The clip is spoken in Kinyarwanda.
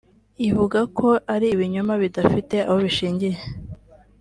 ivuga ko ari ibinyoma bidafite aho bishingiye